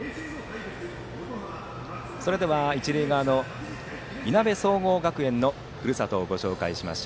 それでは、一塁側のいなべ総合学園のふるさとをご紹介します。